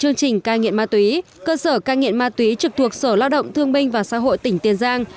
chương trình cai nghiện ma túy cơ sở cai nghiện ma túy trực thuộc sở lao động thương minh và xã hội tỉnh tiền giang